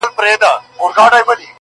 • خاموسي لا هم قوي ده تل,